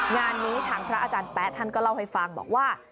งานนี้ทางพระอาจารย์แป๊ะท่านก็เล่าให้ฟังบอกว่า